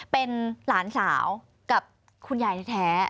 เป็นหลานสาวกับคุณยายแท้